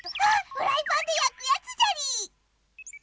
フライパンでやくやつじゃりー！